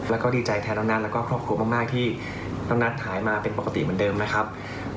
แล้วก็ดีใจแทนน้องนัทแล้วก็ครอบครัวมากที่น้องนัทหายมาเป็นปกติเหมือนเดิมนะครับ